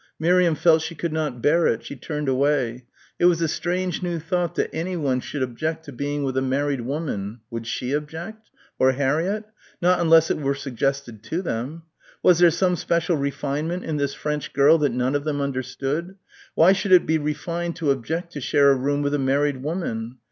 Miriam felt she could not bear it. She turned away. It was a strange new thought that anyone should object to being with a married woman ... would she object? or Harriett? Not unless it were suggested to them.... Was there some special refinement in this French girl that none of them understood? Why should it be refined to object to share a room with a married woman?